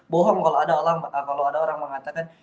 bohong kalau ada orang mengatakan